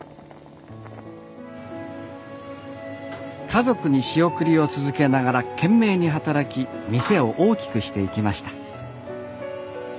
家族に仕送りを続けながら懸命に働き店を大きくしていきました。